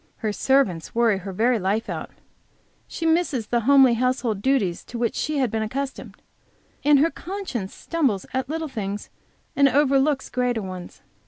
Her servants worry her very life out; she misses the homely household duties to which she has been accustomed; and her conscience stumbles at little things, and overlooks greater ones.